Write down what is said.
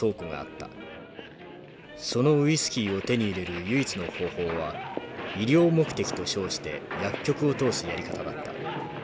そのウイスキーを手に入れる唯一の方法は医療目的と称して薬局を通すやり方だった。